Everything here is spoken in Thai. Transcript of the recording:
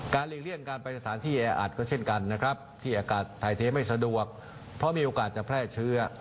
หลีกเลี่ยงการไปสถานที่แออัดก็เช่นกันนะครับที่อากาศถ่ายเทไม่สะดวกเพราะมีโอกาสจะแพร่เชื้อ